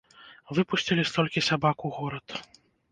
Выпусцілі столькі сабак у горад!